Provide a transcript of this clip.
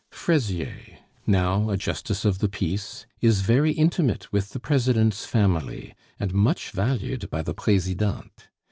Fraisier, now a justice of the peace, is very intimate with the President's family, and much valued by the Presidente.